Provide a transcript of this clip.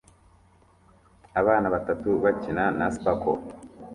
abana batatu bakina na sparkler